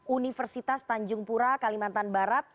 universitas tanjung pura kalimantan barat